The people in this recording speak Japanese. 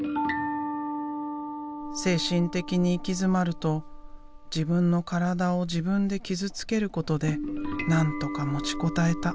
精神的に行き詰まると自分の体を自分で傷つけることでなんとか持ちこたえた。